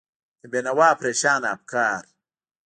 د بېنوا پرېشانه افکار